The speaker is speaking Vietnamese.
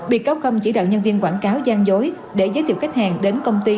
bị cáo khâm chỉ đạo nhân viên quảng cáo gian dối để giới thiệu khách hàng đến công ty